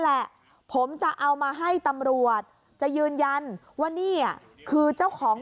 แหละผมจะเอามาให้ตำรวจจะยืนยันว่านี่คือเจ้าของ